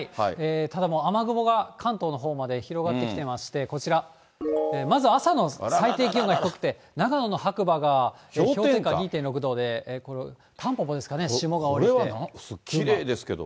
ただもう雨雲が、関東のほうまで広がってきていまして、こちら、まず朝の最低気温が低くて、長野の白馬が氷点下２．６度で、これ、これは何、きれいですけど。